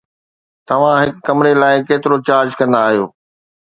توهان هڪ ڪمري لاء ڪيترو چارج ڪندا آهيو؟